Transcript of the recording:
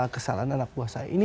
kesalahan anak buah saya ini